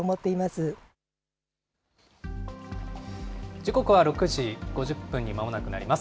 時刻は６時５０分にまもなくなります。